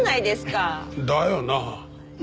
だよなあ。